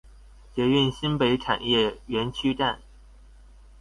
捷運新北產業園區站